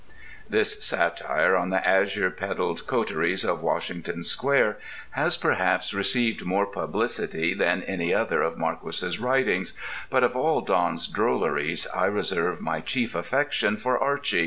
This satire on the azure pedalled coteries of Washington Square has perhaps received more publicity than any other of Marquis's writings, but of all Don's drolleries I reserve my chief affection for Archy.